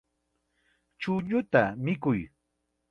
Chuñuta mikuy.